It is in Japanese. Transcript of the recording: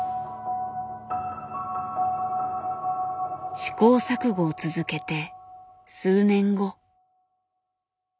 試行錯誤を続けて数年後。